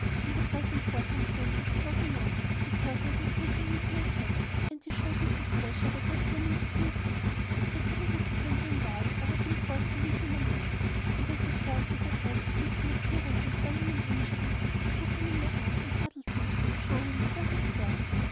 In the present circumstances he was annoyed because I had not taken him into my cabin, and he showed his displeasure by pretending to be asleep. I could not explain to him why I had been forced to leave him on deck, and as I felt that I had, at least in appearances, done him an injury, I took him in my arms and cuddled him, to show him that I was sorry.